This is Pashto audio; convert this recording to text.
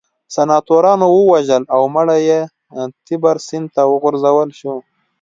سناتورانو ووژل او مړی یې تیبر سیند ته وغورځول شو